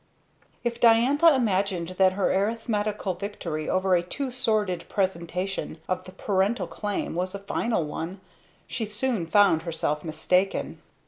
If Diantha imagined that her arithmetical victory over a too sordid presentation of the parental claim was a final one, she soon found herself mistaken.